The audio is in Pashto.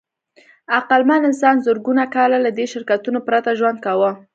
عقلمن انسان زرګونه کاله له دې شرکتونو پرته ژوند کاوه.